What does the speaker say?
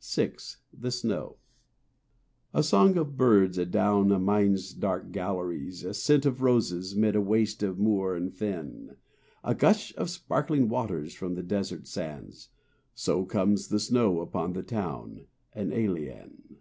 VI—The Snow A song of birds adown a mine's dark galleries, A scent of roses 'mid a waste of moor and fen, A gush of sparkling waters from the desert sands,— So comes the snow upon the town, an alien.